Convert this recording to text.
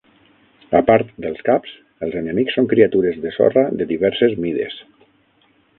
A part dels caps, els enemics són criatures de sorra de diverses mides.